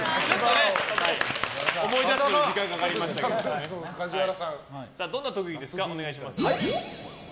思い出すのに時間がかかりましたけどどんな特技ですか？